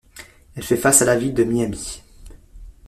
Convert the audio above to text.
Elle fait face à la ville de Miami.